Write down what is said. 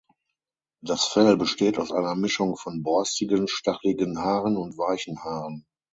Das Fell besteht aus einer Mischung von borstigen, stachligen Haaren und weichen Haaren.